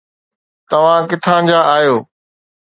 توهان ڪٿان جا آهيو